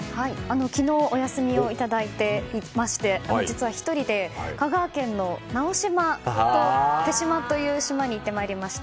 昨日、お休みをいただきまして実は１人で香川県の直島と豊島という島に行ってまいりました。